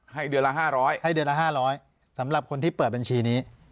เดือนละ๕๐๐ให้เดือนละ๕๐๐สำหรับคนที่เปิดบัญชีนี้